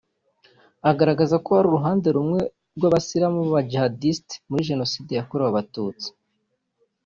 agaragaza ko hari uruhande rumwe rw’abasilamu bijanditse muri jenoside yakorewe Abatutsi